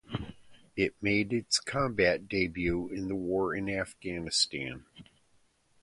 It made its combat debut in the War in Afghanistan.